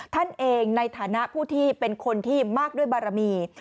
ท่านเองในฐานะผู้ที่เป็นคนที่มากด้วยบารมี